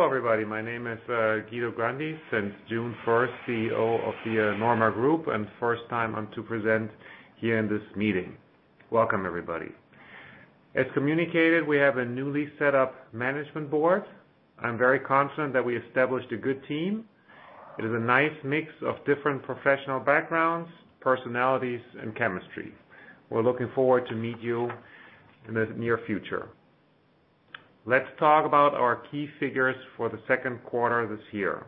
Hello, everybody. My name is Guido Grandi, since June first, CEO of the NORMA Group, and first time I'm to present here in this meeting. Welcome, everybody. As communicated, we have a newly set up management board. I'm very confident that we established a good team. It is a nice mix of different professional backgrounds, personalities, and chemistry. We're looking forward to meet you in the near future. Let's talk about our key figures for the second quarter this year.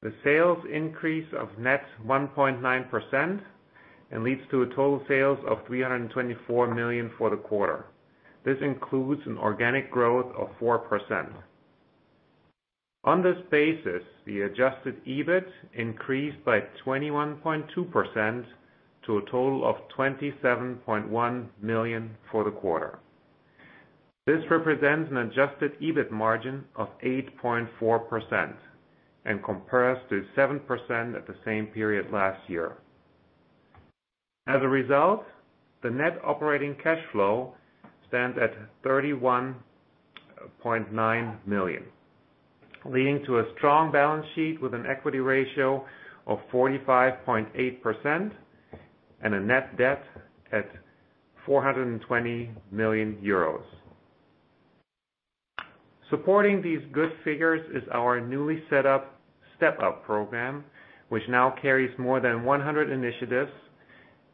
The sales increase of net 1.9%, and leads to a total sales of 324 million for the quarter. This includes an organic growth of 4%. On this basis, the Adjusted EBIT increased by 21.2% to a total of 27.1 million for the quarter. This represents an Adjusted EBIT margin of 8.4% and compares to 7% at the same period last year. As a result, the net operating cash flow stands at 31.9 million, leading to a strong balance sheet with an equity ratio of 45.8% and a net debt at 420 million euros. Supporting these good figures is our newly set up STEP UP program, which now carries more than 100 initiatives,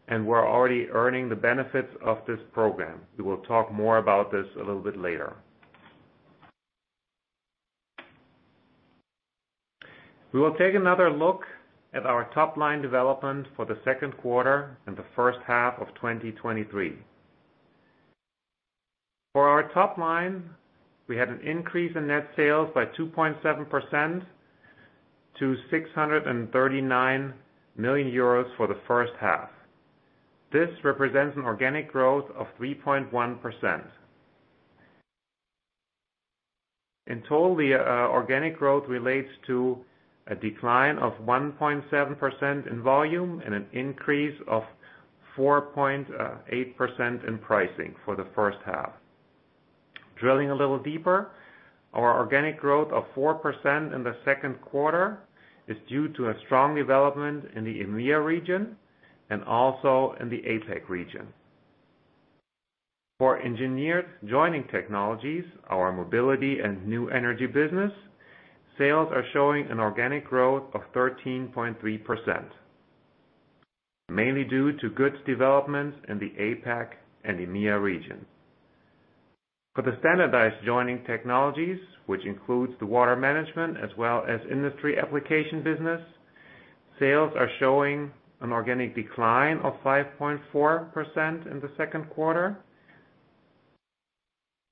we're already earning the benefits of this program. We will talk more about this a little bit later. We will take another look at our top-line development for the second quarter and the first half of 2023. For our top line, we had an increase in net sales by 2.7% to 639 million euros for the first half. This represents an organic growth of 3.1%. In total, the organic growth relates to a decline of 1.7% in volume and an increase of 4.8% in pricing for the first half. Drilling a little deeper, our organic growth of 4% in the second quarter is due to a strong development in the EMEA region and also in the APAC region. For engineered joining technologies, our Mobility & New Energy business, sales are showing an organic growth of 13.3%, mainly due to good developments in the APAC and EMEA region. For the standardized joining technologies, which includes the Water Management as well as industry applications business, sales are showing an organic decline of 5.4% in the second quarter,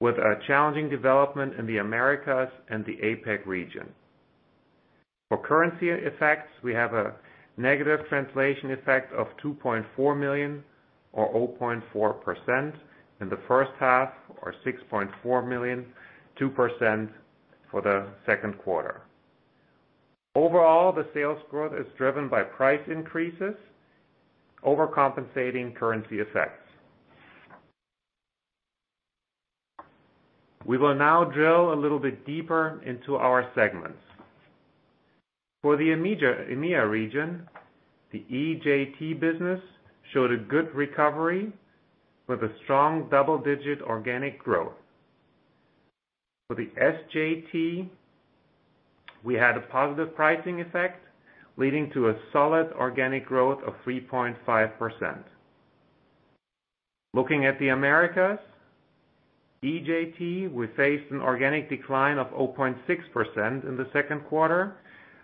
with a challenging development in the Americas and the APAC region. For currency effects, we have a negative translation effect of 2.4 million, or 0.4% in the first half, or 6.4 million, 2% for the second quarter. Overall, the sales growth is driven by price increases, overcompensating currency effects. We will now drill a little bit deeper into our segments. For the EMEA, EMEA region, the EJT business showed a good recovery with a strong double-digit organic growth. For the SJT, we had a positive pricing effect, leading to a solid organic growth of 3.5%. Looking at the Americas, EJT, we faced an organic decline of 0.6% in the second quarter,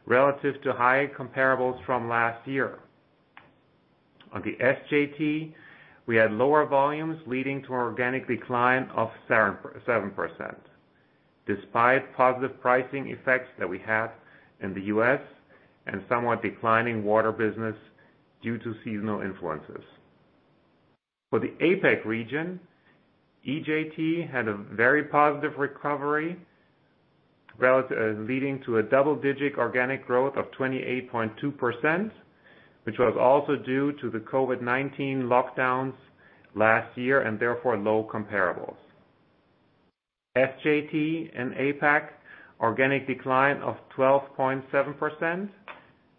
relative to high comparables from last year. On the SJT, we had lower volumes, leading to an organic decline of 7.7%, despite positive pricing effects that we had in the U.S. and somewhat declining water business due to seasonal influences. For the APAC region, EJT had a very positive recovery, relative-- leading to a double-digit organic growth of 28.2%, which was also due to the COVID-19 lockdowns last year, and therefore, low comparables. SJT and APAC, organic decline of 12.7%,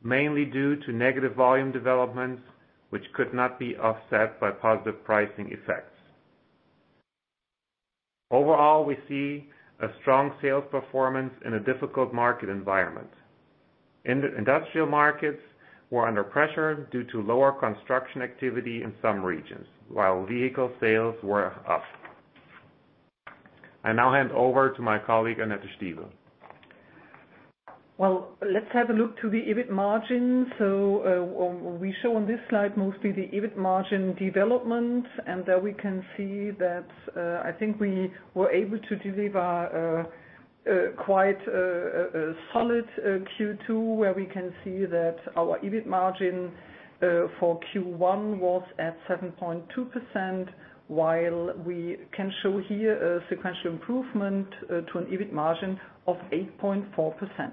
mainly due to negative volume developments, which could not be offset by positive pricing effects. Overall, we see a strong sales performance in a difficult market environment. Industrial markets were under pressure due to lower construction activity in some regions, while vehicle sales were up. I now hand over to my colleague, Annette Stiebel. Well, let's have a look to the EBIT margin. We show on this slide mostly the EBIT margin development, there we can see that I think we were able to deliver quite a solid Q2, where we can see that our EBIT margin for Q1 was at 7.2%, while we can show here a sequential improvement to an EBIT margin of 8.4%.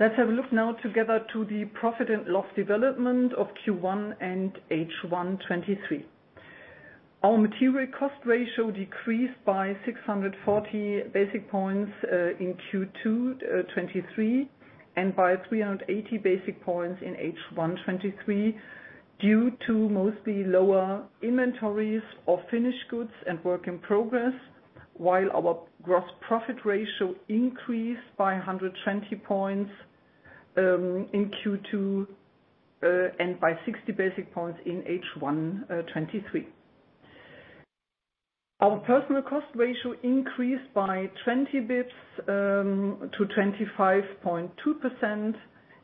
Let's have a look now together to the profit and loss development of Q1 and H1 2023. Our material cost ratio decreased by 640 basic points in Q2 2023, and by 380 basic points in H1 2023, due to mostly lower inventories of finished goods and work in progress, while our gross profit ratio increased by 120 points in Q2, and by 60 basic points in H1 2023. Our personnel cost ratio increased by 20 basis points to 25.2%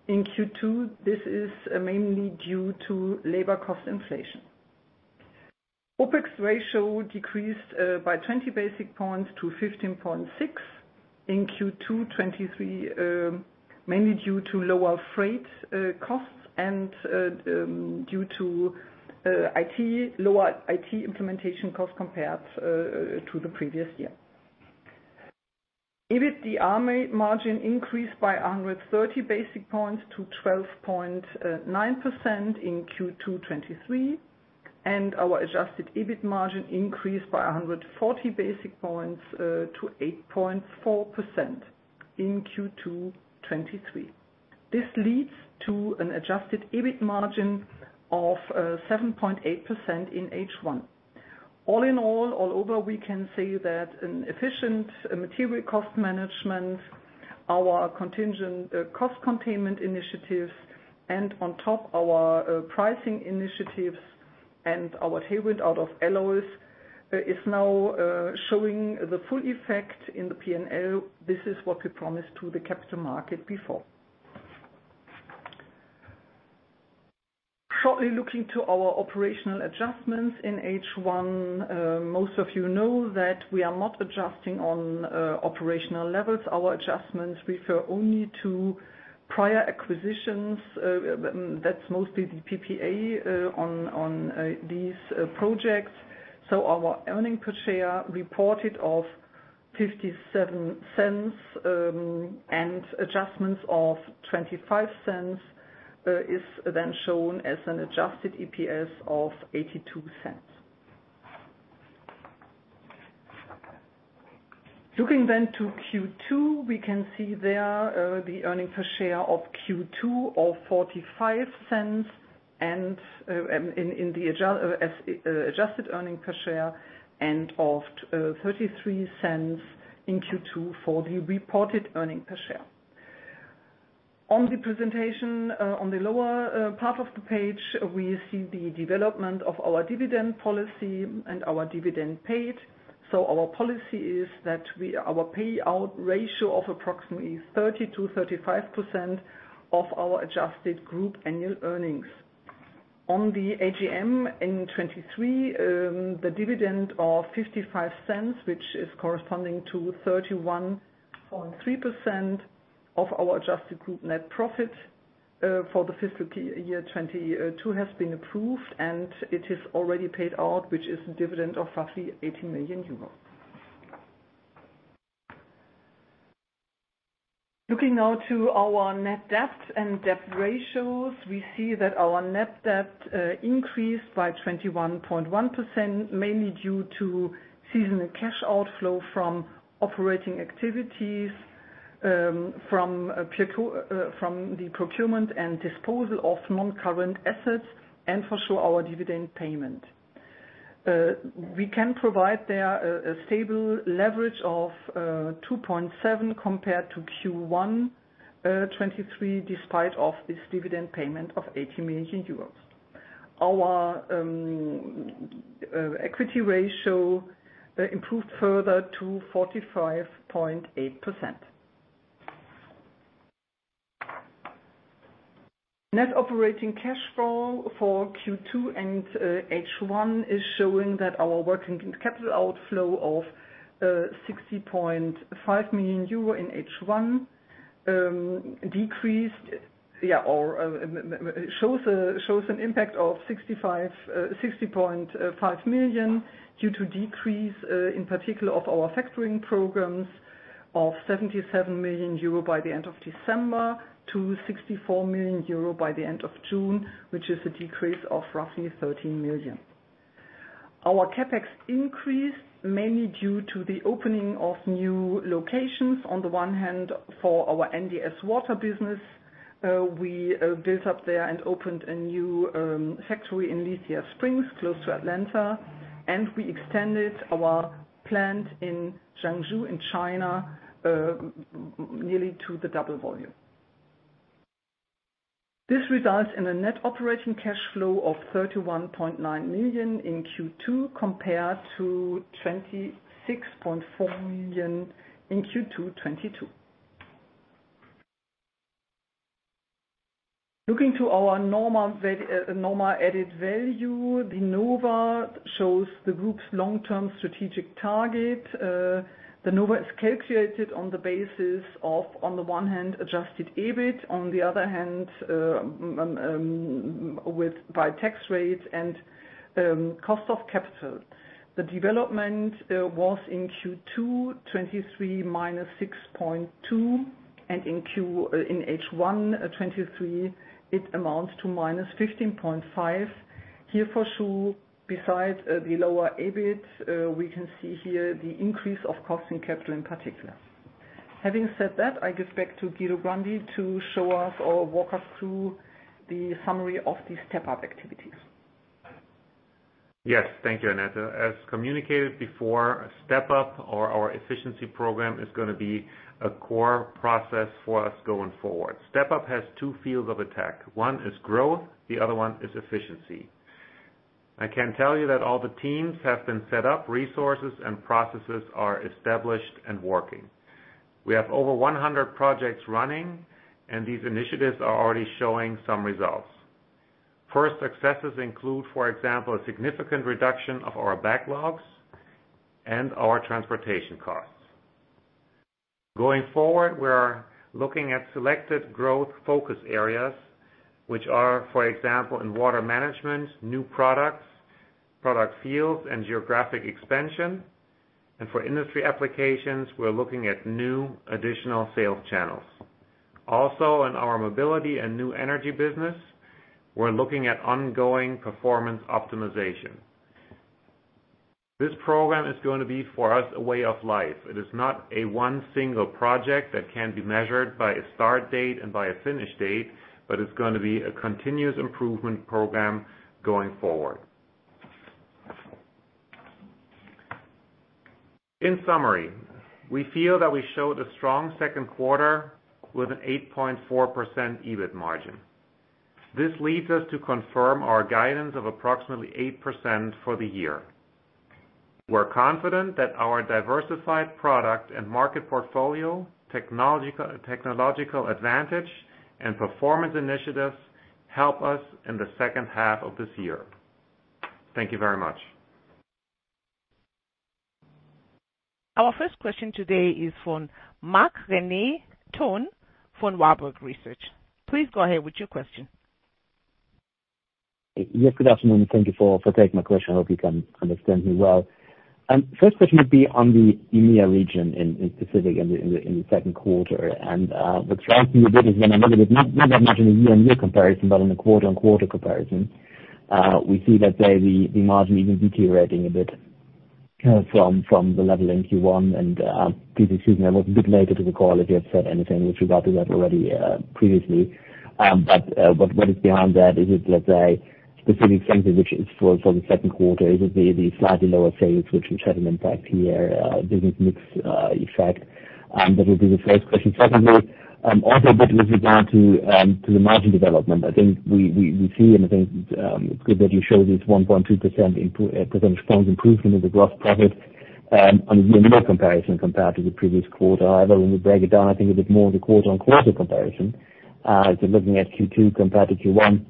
in Q2. This is mainly due to labor cost inflation. OpEx ratio decreased by 20 basic points to 15.6 in Q2 2023, mainly due to lower freight costs and due to lower IT implementation costs compared to the previous year. EBITDAR margin increased by 130 basis points to 12.9% in Q2 2023. Our Adjusted EBIT margin increased by 140 basis points to 8.4% in Q2 2023. This leads to an adjusted EBIT margin of 7.8% in H1. All in all, all over, we can say that an efficient material cost management, our contingent cost containment initiatives, and on top, our pricing initiatives and our tailwind out of alloys is now showing the full effect in the P&L. This is what we promised to the capital market before. Shortly looking to our operational adjustments in H1, most of you know that we are not adjusting on operational levels. Our adjustments refer only to prior acquisitions, that's mostly the PPA on these projects. Our earnings per share reported of 0.57 and adjustments of 0.25 is shown as an adjusted EPS of 0.82. Looking to Q2, we can see there the earnings per share of Q2 of EUR 0.45, and of 0.33 in Q2 for the reported earnings per share. On the presentation, on the lower part of the page, we see the development of our dividend policy and our dividend paid. Our policy is that our payout ratio of approximately 30%-35% of our adjusted group annual earnings. On the AGM in 2023, the dividend of 0.55, which is corresponding to 31.3% of our adjusted group net profit for the fiscal year 2022, has been approved, and it is already paid out, which is a dividend of roughly 80 million euros. Looking now to our net debt and debt ratios, we see that our net debt increased by 21.1%, mainly due to seasonal cash outflow from operating activities, from the procurement and disposal of non-current assets, and for sure, our dividend payment. We can provide there a stable leverage of 2.7 compared to Q1 2023, despite of this dividend payment of EUR 80 million. Our equity ratio improved further to 45.8%. Net operating cash flow for Q2 and H1 is showing that our working capital outflow of 60.5 million euro in H1 decreased. Yeah, or shows an impact of 65, 60.5 million, due to decrease in particular, of our factoring programs of 77 million euro by the end of December to 64 million euro by the end of June, which is a decrease of roughly 13 million. Our CapEx increased mainly due to the opening of new locations. On the one hand, for our NDS Water business, we built up there and opened a new factory in Lithia Springs, close to Atlanta, and we extended our plant in Zhengzhou, in China, nearly to the double volume. This results in a net operating cash flow of 31.9 million in Q2, compared to 26.4 million in Q2 2022. Looking to our NORMA Value Added, the NOVA shows the group's long-term strategic target. The NOVA is calculated on the basis of, on the one hand, adjusted EBIT, on the other hand, by tax rates and cost of capital. The development was in Q2 2023 -6.2, and in H1 2023, it amounts to -15.5. Here for sure, besides the lower EBIT, we can see here the increase of cost of capital, in particular. Having said that, I give back to Guido Grandi to show us or walk us through the summary of the step up activities. Yes, thank you, Annette. As communicated before, a STEP UP or our efficiency program is gonna be a core process for us going forward. STEP UP has two fields of attack. One is growth, the other one is efficiency. I can tell you that all the teams have been set up, resources and processes are established and working. We have over 100 projects running, and these initiatives are already showing some results. First successes include, for example, a significant reduction of our backlogs and our transportation costs. Going forward, we are looking at selected growth focus areas, which are, for example, in Water Management, new products, product fields, and geographic expansion. For Industry Applications, we're looking at new additional sales channels. In our Mobility & New Energy business, we're looking at ongoing performance optimization. This program is going to be, for us, a way of life. It is not a one single project that can be measured by a start date and by a finish date, but it's gonna be a continuous improvement program going forward. In summary, we feel that we showed a strong second quarter with an 8.4% EBIT margin. This leads us to confirm our guidance of approximately 8% for the year. We're confident that our diversified product and market portfolio, technological, technological advantage, and performance initiatives help us in the second half of this year. Thank you very much. Our first question today is from Mark René Tönn from Warburg Research. Please go ahead with your question. Yes, good afternoon. Thank you for, for taking my question. I hope you can understand me well. 1st question would be on the EMEA region in, in specific in the, in the, in the second quarter. What striking a bit is when I look at it, not, not that much in the year-on-year comparison, but on a quarter-on-quarter comparison, we see that the, the margin even deteriorating a bit, from, from the level in Q1. Please excuse me, I was a bit later to the call if you have said anything with regard to that already previously. But what is behind that? Is it, let's say, specific things which is for, for the second quarter, is it the, the slightly lower sales, which would have an impact here, business mix effect? That would be the first question. Secondly, also a bit with regard to the margin development, I think we, we, we see, and I think it's good that you show this 1.2 percentage points improvement in the gross profit on a year-on-year comparison compared to the previous quarter. When we break it down, I think a bit more the quarter-on-quarter comparison, so looking at Q2 compared to Q1,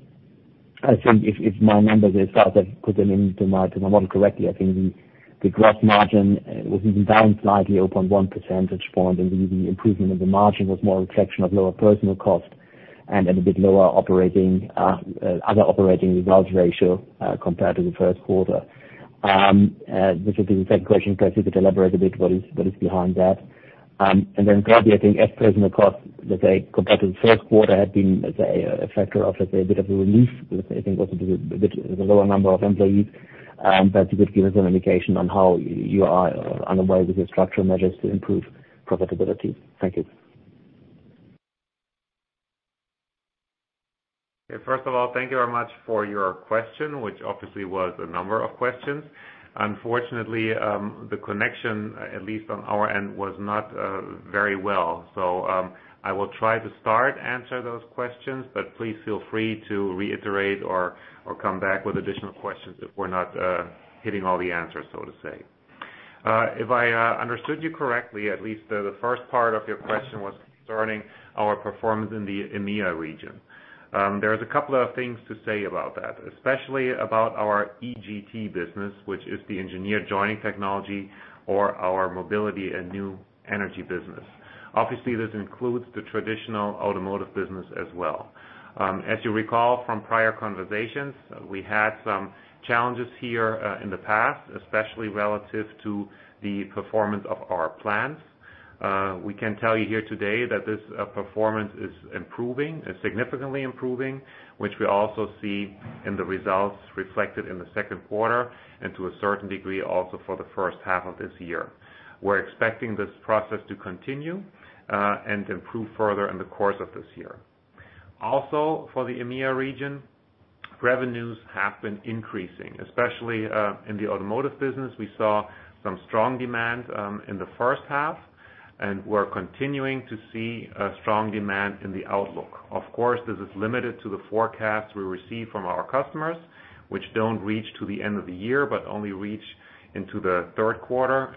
I think if, if my numbers are right, I put them into my, my model correctly, I think the gross margin was even down slightly, 0.1 percentage point, and the improvement of the margin was more a reflection of lower personnel costs and a bit lower operating, other operating result ratio compared to the first quarter. This is the second question, so if you could elaborate a bit, what is, what is behind that? Then thirdly, I think as personnel costs, let's say, compared to the first quarter, had been, let's say, a factor of, let's say, a bit of a relief. I think also the, the lower number of employees, you could give us an indication on how you are on the way with the structural measures to improve profitability. Thank you. First of all, thank you very much for your question, which obviously was a number of questions. Unfortunately, the connection, at least on our end, was not very well. I will try to start answer those questions, but please feel free to reiterate or come back with additional questions if we're not hitting all the answers, so to say. If I understood you correctly, at least, the first part of your question was concerning our performance in the EMEA region. There's a couple of things to say about that, especially about our EJT business, which is the Engineered Joining Technology or our Mobility & New Energy business. Obviously, this includes the traditional automotive business as well. As you recall from prior conversations, we had some challenges here in the past, especially relative to the performance of our plants. We can tell you here today that this performance is improving, is significantly improving, which we also see in the results reflected in the second quarter and to a certain degree, also for the first half of this year. We're expecting this process to continue and to improve further in the course of this year. Also, for the EMEA region, revenues have been increasing, especially in the automotive business. We saw some strong demand in the first half, and we're continuing to see a strong demand in the outlook. Of course, this is limited to the forecast we receive from our customers, which don't reach to the end of the year, but only reach into the third quarter.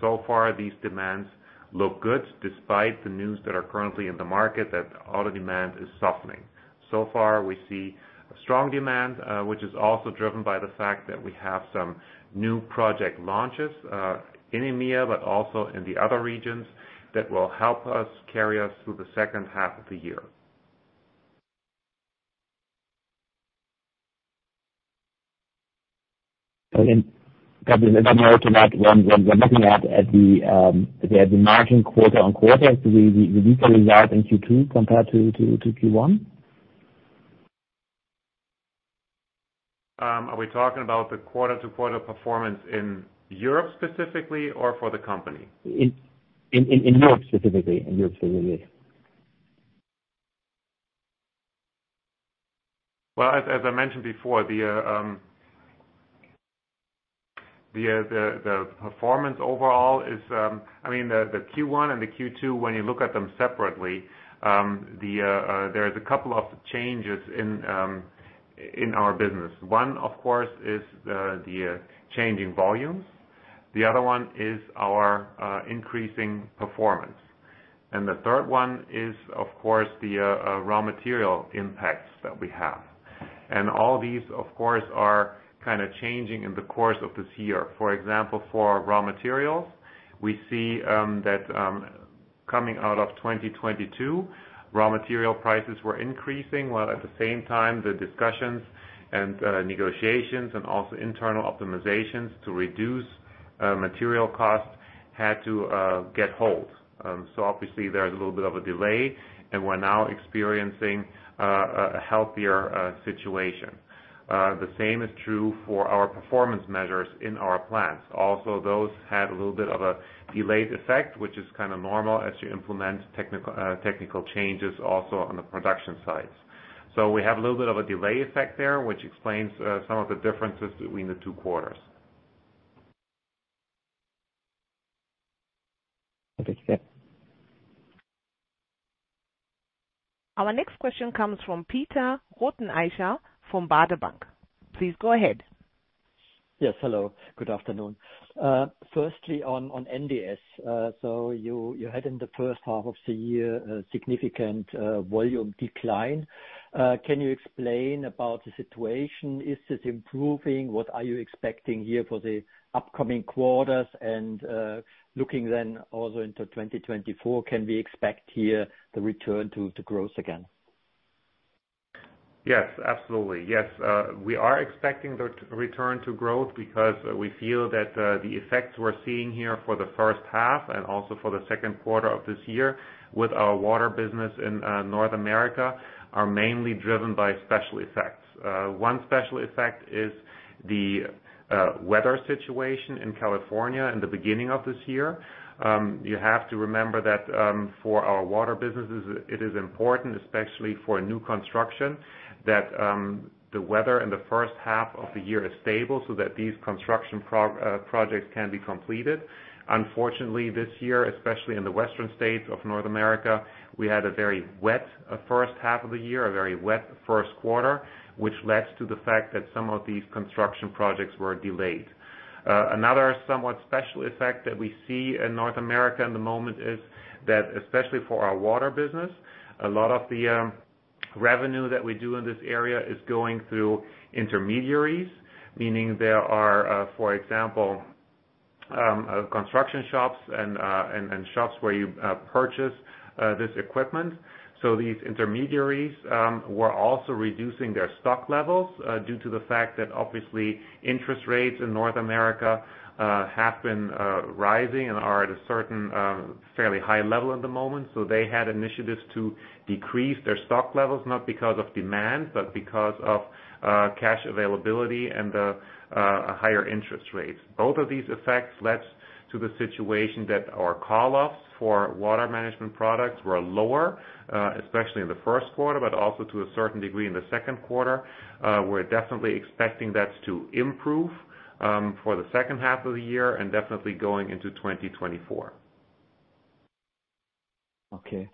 So far, these demands look good, despite the news that are currently in the market, that auto demand is softening. So far, we see a strong demand, which is also driven by the fact that we have some new project launches, in EMEA, but also in the other regions, that will help us carry us through the second half of the year. Then more to that, when we're looking at the margin quarter-on-quarter, the weaker result in Q2 compared to Q1? Are we talking about the quarter to quarter performance in Europe specifically, or for the company? In Europe specifically. Well, as, as I mentioned before, the, the performance overall is, I mean, the Q1 and the Q2, when you look at them separately, there's a couple of changes in our business. One, of course, is the, the changing volumes. The other one is our increasing performance. The third one is, of course, the raw material impacts that we have. All these, of course, are kind of changing in the course of this year. For example, for raw materials, we see that coming out of 2022, raw material prices were increasing, while at the same time, the discussions and negotiations and also internal optimizations to reduce material costs had to get hold. Obviously, there is a little bit of a delay, and we're now experiencing a healthier situation. The same is true for our performance measures in our plants. Also, those had a little bit of a delayed effect, which is kind of normal as you implement technical changes also on the production sites. We have a little bit of a delay effect there, which explains some of the differences between the two quarters. Okay. Yeah. Our next question comes from Peter Rotheneicher from Baader Bank. Please go ahead. Yes, hello. Good afternoon. Firstly, on NDS, so you had in the first half of the year, a significant volume decline. Can you explain about the situation? Is this improving? What are you expecting here for the upcoming quarters? Looking then also into 2024, can we expect here the return to growth again? Yes, absolutely. Yes, we are expecting the return to growth because we feel that the effects we're seeing here for the first half and also for the second quarter of this year, with our water business in North America, are mainly driven by special effects. One special effect is the weather situation in California in the beginning of this year. You have to remember that for our water businesses, it is important, especially for new construction, that the weather in the first half of the year is stable, so that these construction projects can be completed. Unfortunately, this year, especially in the western states of North America, we had a very wet first half of the year, a very wet first quarter, which led to the fact that some of these construction projects were delayed. Another somewhat special effect that we see in North America in the moment is that, especially for our water business, a lot of the revenue that we do in this area is going through intermediaries. Meaning there are, for example, construction shops and shops where you purchase this equipment. These intermediaries were also reducing their stock levels due to the fact that obviously interest rates in North America have been rising and are at a certain fairly high level at the moment. They had initiatives to decrease their stock levels, not because of demand, but because of cash availability and a higher interest rate. Both of these effects led to the situation that our call-offs for water management products were lower, especially in the first quarter, but also to a certain degree in the second quarter. We're definitely expecting that to improve for the second half of the year and definitely going into 2024. Okay.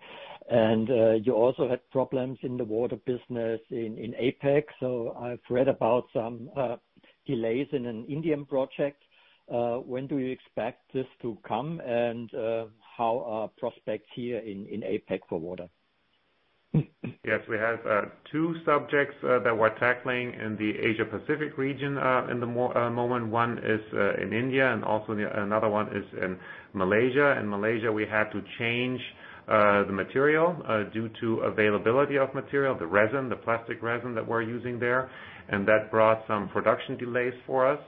You also had problems in the Water business in APAC. I've read about some delays in an Indian project. When do you expect this to come? How are prospects here in APAC for Water? Yes, we have two subjects that we're tackling in the Asia Pacific region in the moment. One is in India, and also another one is in Malaysia. In Malaysia, we had to change the material due to availability of material, the resin, the plastic resin that we're using there, and that brought some production delays for us.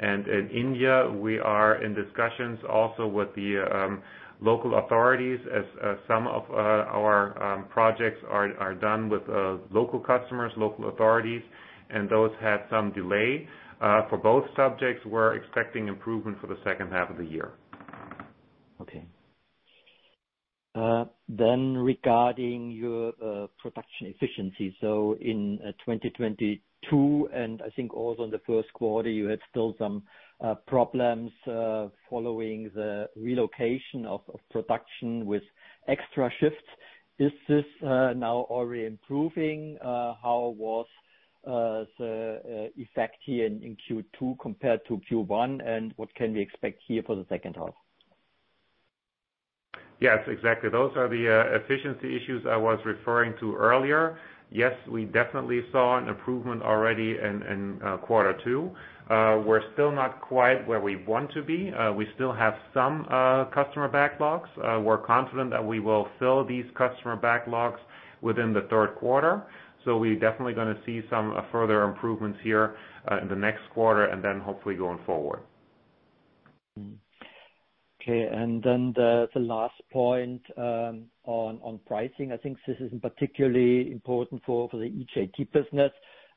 In India, we are in discussions also with the local authorities, as some of our projects are done with local customers, local authorities, and those had some delay. For both subjects, we're expecting improvement for the second half of the year. Regarding your production efficiency, in 2022, I think also in the first quarter, you had still some problems following the relocation of production with extra shifts. Is this now already improving? How was the effect here in Q2 compared to Q1, what can we expect here for the second half? Yes, exactly. Those are the efficiency issues I was referring to earlier. Yes, we definitely saw an improvement already in, in Q2. We're still not quite where we want to be. We still have some customer backlogs. We're confident that we will fill these customer backlogs within the third quarter. We're definitely gonna see some further improvements here in the next quarter, and then hopefully going forward. Okay, then the last point on pricing, I think this is particularly important for the EJT business.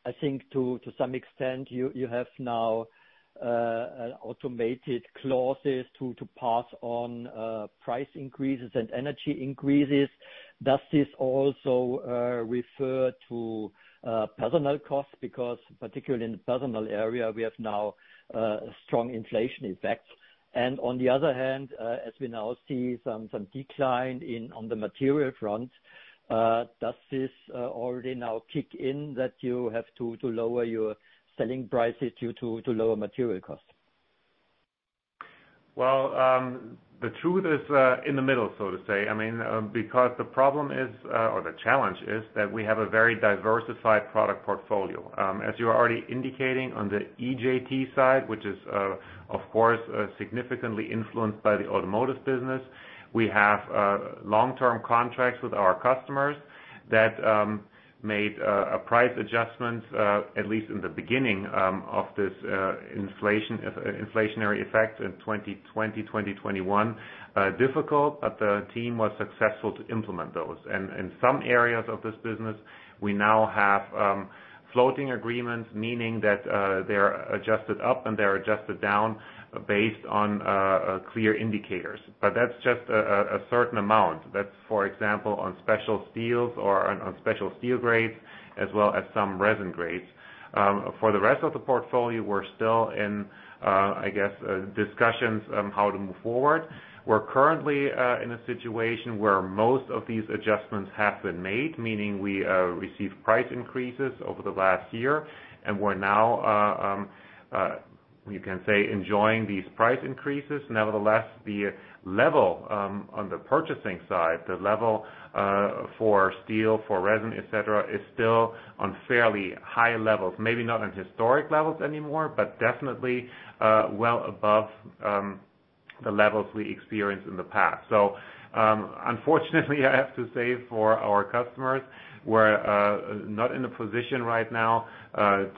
I think to some extent, you have now automated clauses to pass on price increases and energy increases. Does this also refer to personnel costs? Because particularly in the personnel area, we have now strong inflation effects. On the other hand, as we now see some decline on the material front, does this already now kick in, that you have to lower your selling prices due to lower material costs? Well, the truth is in the middle, so to say. I mean, the problem is or the challenge is that we have a very diversified product portfolio. As you are already indicating on the EJT side, which is, of course, significantly influenced by the automotive business. We have long-term contracts with our customers that made a price adjustment, at least in the beginning, of this inflation, inflationary effect in 2020, 2021. Difficult, the team was successful to implement those. In some areas of this business, we now have floating agreements, meaning that they're adjusted up and they're adjusted down based on clear indicators. That's just a certain amount. That's, for example, on special steels or on, on special steel grades, as well as some resin grades. For the rest of the portfolio, we're still in, I guess, discussions on how to move forward. We're currently in a situation where most of these adjustments have been made, meaning we received price increases over the last year, and we're now, you can say, enjoying these price increases. Nevertheless, the level on the purchasing side, the level for steel, for resin, et cetera, is still on fairly high levels. Maybe not on historic levels anymore, but definitely well above the levels we experienced in the past. Unfortunately, I have to say for our customers, we're not in a position right now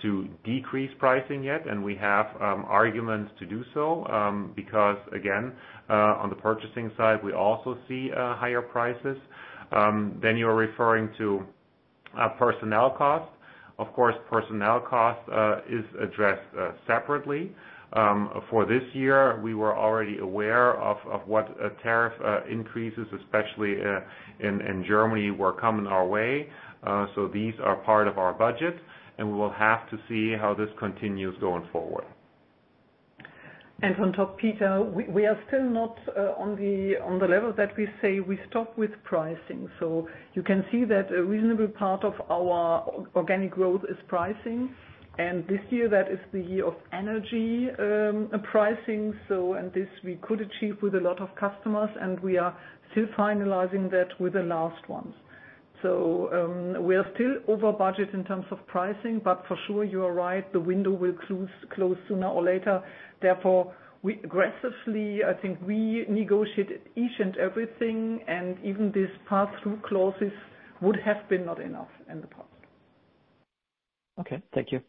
to decrease pricing yet, and we have arguments to do so. Because again, on the purchasing side, we also see higher prices. You are referring to personnel costs. Of course, personnel costs is addressed separately. For this year, we were already aware of what tariff increases, especially in Germany, were coming our way. These are part of our budget, and we will have to see how this continues going forward. On top, Peter, we, we are still not on the, on the level that we say we stop with pricing. You can see that a reasonable part of our organic growth is pricing, and this year, that is the year of energy pricing. This we could achieve with a lot of customers, and we are still finalizing that with the last ones. We are still over budget in terms of pricing, but for sure, you are right, the window will close, close sooner or later. Therefore, we aggressively, I think, we negotiate each and everything, and even this pass-through clauses would have been not enough in the past. Okay, thank you.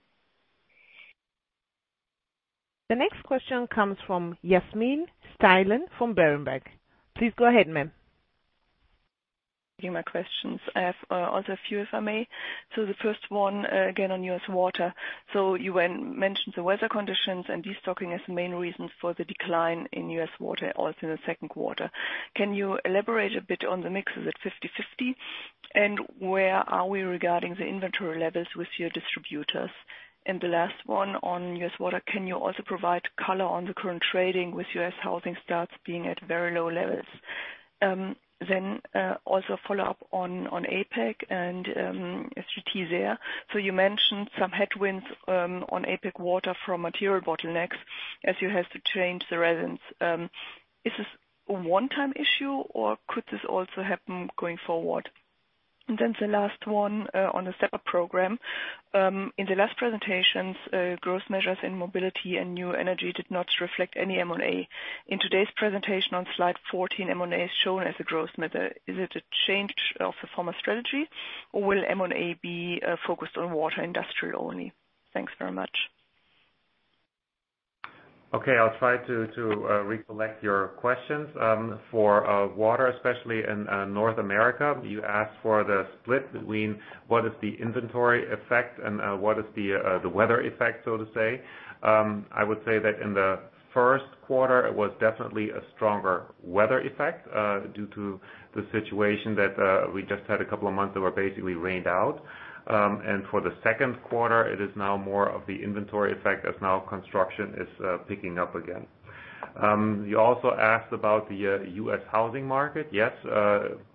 The next question comes from Yasmin Steilen from Berenberg. Please go ahead, ma'am. Thank you, my questions. I have also a few, if I may. The first one, again, on US water. You mentioned the weather conditions and destocking as the main reasons for the decline in US water, also in the second quarter. Can you elaborate a bit on the mixes at 50/50, and where are we regarding the inventory levels with your distributors? The last one on US water, can you also provide color on the current trading with US housing starts being at very low levels? Also follow up on APAC and SJT there. You mentioned some headwinds on APAC water from material bottlenecks, as you have to change the resins. Is this a one-time issue, or could this also happen going forward? The last one on the separate program. In the last presentations, growth measures in Mobility & New Energy did not reflect any M&A. In today's presentation on slide 14, M&A is shown as a growth measure. Is it a change of the former strategy, or will M&A be focused on water industrial only? Thanks very much. Okay, I'll try to, to recollect your questions. For water, especially in North America, you asked for the split between what is the inventory effect and what is the weather effect, so to say. I would say that in the first quarter, it was definitely a stronger weather effect, due to the situation that we just had a couple of months that were basically rained out. And for the second quarter, it is now more of the inventory effect, as now construction is picking up again. You also asked about the US housing market. Yes,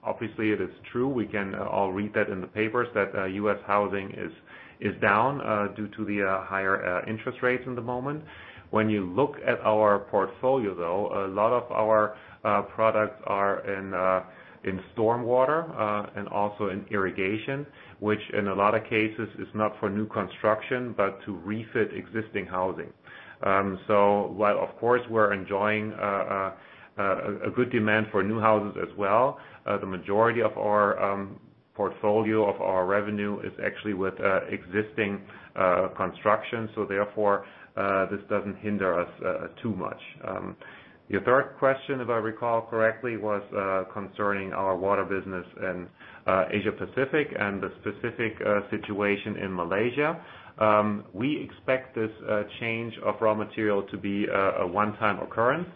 obviously, it is true. We can all read that in the papers, that US housing is, is down, due to the higher interest rates in the moment. When you look at our portfolio, though, a lot of our products are in stormwater and also in irrigation, which in a lot of cases is not for new construction, but to refit existing housing. While, of course, we're enjoying a good demand for new houses as well, the majority of our portfolio of our revenue is actually with existing construction, therefore, this doesn't hinder us too much. Your third question, if I recall correctly, was concerning our water business in Asia Pacific and the specific situation in Malaysia. We expect this change of raw material to be a one-time occurrence.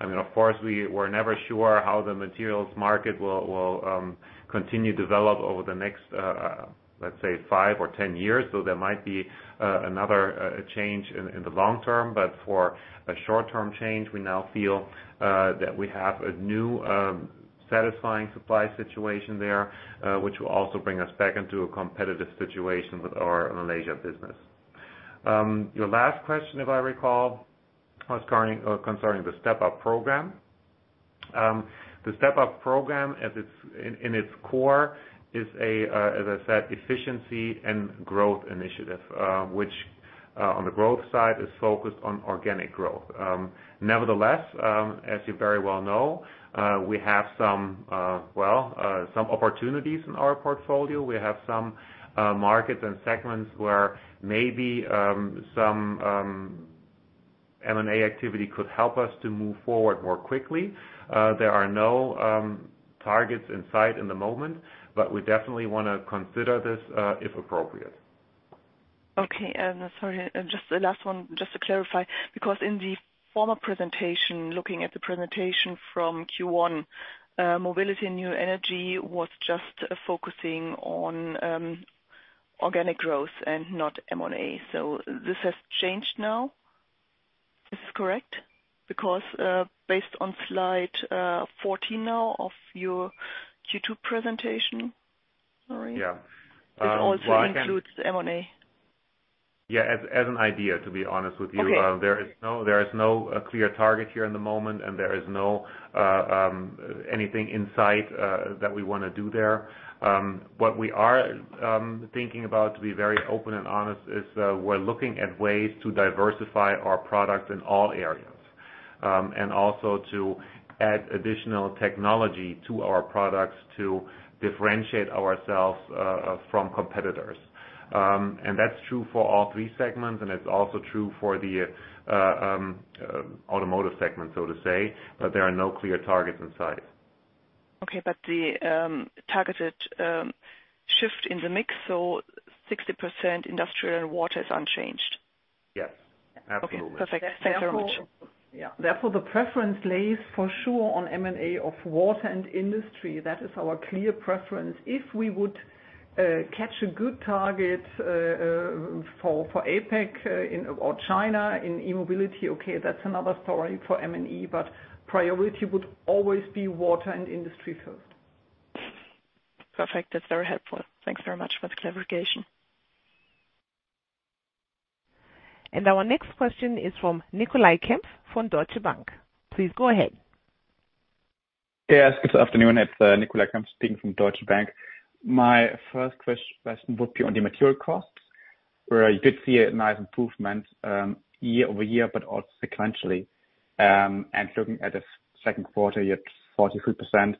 I mean, of course, we-- we're never sure how the materials market will, will, continue to develop over the next, let's say, five or 10 years, so there might be another change in, in the long term. For a short-term change, we now feel that we have a new, satisfying supply situation there, which will also bring us back into a competitive situation with our Malaysia business. Your last question, if I recall, was concerning, concerning the STEP UP program. The STEP UP program, at its, in, in its core, is a, as I said, efficiency and growth initiative, which, on the growth side, is focused on organic growth. Nevertheless, as you very well know, we have some, well, some opportunities in our portfolio. We have some, markets and segments where maybe, some, M&A activity could help us to move forward more quickly. There are no, targets in sight in the moment, but we definitely wanna consider this, if appropriate. Okay, sorry, just the last one, just to clarify, because in the former presentation, looking at the presentation from Q1, Mobility & New Energy was just focusing on organic growth and not M&A. This has changed now? This is correct, because based on slide 14 now of your Q2 presentation, sorry. Yeah. It also includes M&A. Yeah, as, as an idea, to be honest with you. Okay. There is no, there is no clear target here in the moment, and there is no anything in sight that we want to do there. What we are thinking about, to be very open and honest, is we're looking at ways to diversify our products in all areas, and also to add additional technology to our products to differentiate ourselves from competitors. And that's true for all three segments, and it's also true for the automotive segment, so to say, but there are no clear targets in sight. Okay, but the targeted shift in the mix, so 60% industrial and water is unchanged? Yes, absolutely. Okay, perfect. Thanks very much. Yeah. Therefore, the preference lays for sure on M&A of water and industry. That is our clear preference. If we would catch a good target for, for APAC or China in e-mobility, okay, that's another story for M&A, but priority would always be water and industry first. Perfect. That's very helpful. Thanks very much for the clarification. Our next question is from Nikolai Kempf from Deutsche Bank. Please go ahead. Yes, good afternoon. It's Nikolai Kempf speaking from Deutsche Bank. My first question would be on the material costs, where you did see a nice improvement, year-over-year, but also sequentially. Looking at the second quarter, you're at 43%.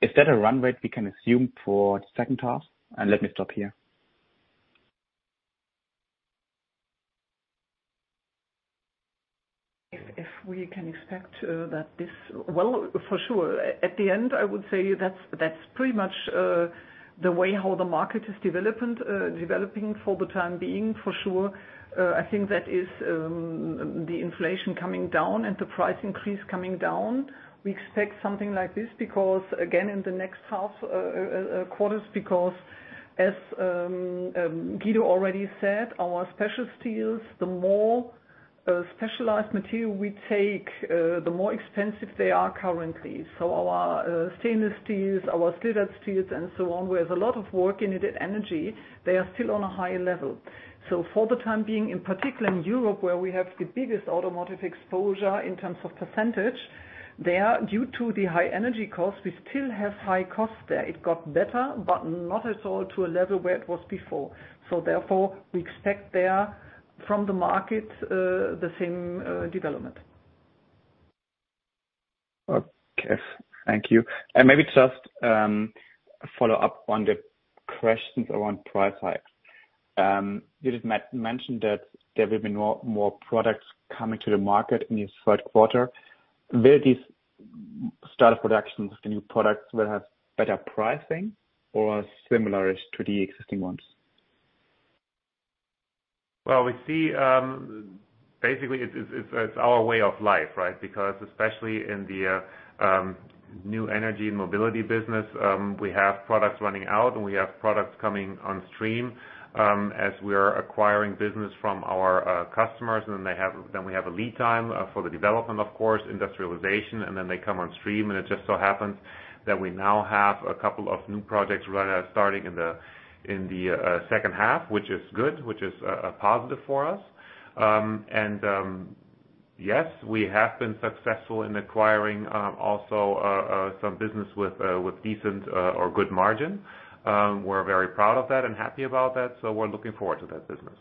Is that a run rate we can assume for the second half? Let me stop here. If, if we can expect, that this... Well, for sure. At the end, I would say that's, that's pretty much, the way how the market is development, developing for the time being, for sure. I think that is, the inflation coming down and the price increase coming down. We expect something like this, because, again, in the next half, quarters, because as Guido already said, our special steels, the more, specialized material we take, the more expensive they are currently. So our, stainless steels, our solid steels, and so on, with a lot of work in it, energy, they are still on a high level. For the time being, in particular in Europe, where we have the biggest automotive exposure in terms of %, there, due to the high energy costs, we still have high costs there. It got better, but not at all to a level where it was before. Therefore, we expect there, from the market, the same development. Okay. Thank you. Maybe just, a follow-up on the questions around price hikes. You just mentioned that there will be more, more products coming to the market in the third quarter. Will these start of productions of the new products will have better pricing or similar-ish to the existing ones? Well, we see, basically, it's, it's, it's our way of life, right? Because especially in the new energy and mobility business, we have products running out, and we have products coming on stream, as we are acquiring business from our customers, then we have a lead time for the development, of course, industrialization, and then they come on stream. It just so happens that we now have a couple of new projects run, starting in the second half, which is good, which is a positive for us. Yes, we have been successful in acquiring also some business with decent or good margin. We're very proud of that and happy about that, so we're looking forward to that business.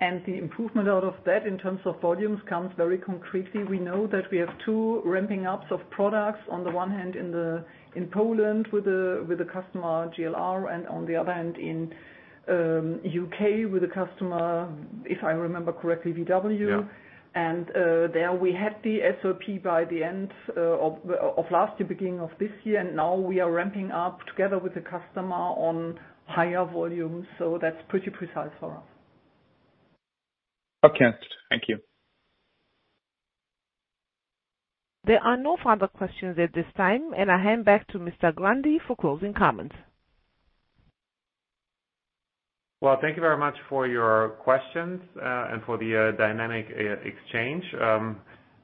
The improvement out of that, in terms of volumes, comes very concretely. We know that we have two ramping ups of products, on the one hand, in Poland with a, with a customer, uncertain, and on the other hand, in, U.K., with a customer, if I remember correctly, VW. Yeah. There we had the SOP by the end of last year, beginning of this year, and now we are ramping up together with the customer on higher volumes, so that's pretty precise for us. Okay. Thank you. There are no further questions at this time, and I hand back to Mr. Grandi for closing comments. Well, thank you very much for your questions, and for the dynamic exchange.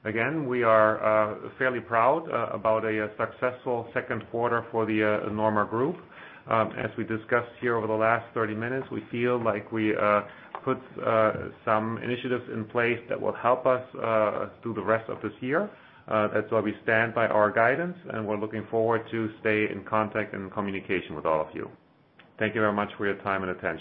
Again, we are fairly proud about a successful second quarter for the NORMA Group. As we discussed here over the last 30 minutes, we feel like we put some initiatives in place that will help us through the rest of this year. That's why we stand by our guidance, we're looking forward to stay in contact and communication with all of you. Thank you very much for your time and attention.